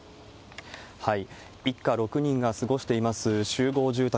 一家６人が過ごしています集合住宅。